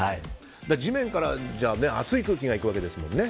地面から熱い空気がいくわけですもんね。